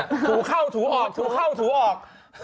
ถูเข้าถูออกถูเข้าถูออก